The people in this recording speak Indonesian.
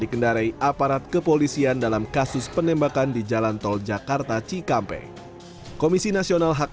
dikendarai aparat kepolisian dalam kasus penembakan di jalan tol jakarta cikampek komisi nasional hak